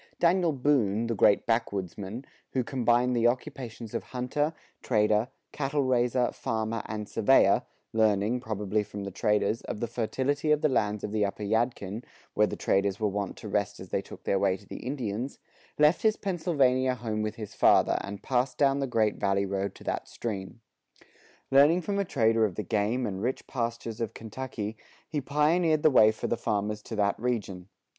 Daniel Boone, the great backwoodsman, who combined the occupations of hunter, trader, cattle raiser, farmer, and surveyor learning, probably from the traders, of the fertility of the lands of the upper Yadkin, where the traders were wont to rest as they took their way to the Indians, left his Pennsylvania home with his father, and passed down the Great Valley road to that stream. Learning from a trader of the game and rich pastures of Kentucky, he pioneered the way for the farmers to that region.